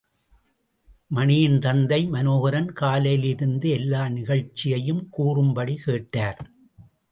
மணியின் தந்தை மனோகரன், காலையிலிருந்து எல்லா நிகழ்ச்சியையும் கூறும் படி கேட்டார்.